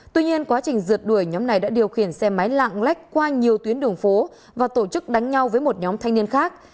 tuy nhiên quá trình rượt đuổi nhóm này đã điều khiển xe máy lạng lách qua nhiều tuyến đường phố và tổ chức đánh nhau với một nhóm thanh niên khác